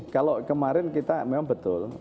kalau kemarin kita memang betul